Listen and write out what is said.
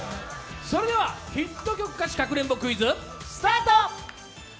それではヒット曲歌詞かくれんぼクイズ、スタート！